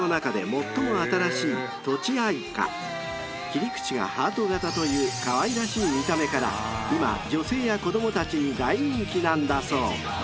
［切り口がハート形というかわいらしい見た目から今女性や子供たちに大人気なんだそう］